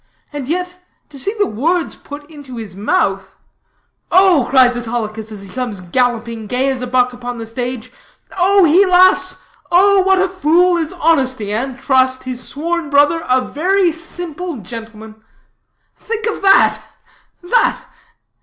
And yet, see the words put into his mouth: 'Oh,' cries Autolycus, as he comes galloping, gay as a buck, upon the stage, 'oh,' he laughs, 'oh what a fool is Honesty, and Trust, his sworn brother, a very simple gentleman.' Think of that.